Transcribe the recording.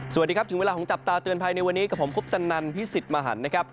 สวัสดีครับถึงเวลาของจับตาเตือนภัยในวันนี้กับผมคุปตันนันพิสิทธิ์มหันนะครับ